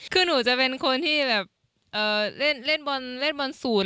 คือหนูจะเป็นคนที่เล่นบอลสูตร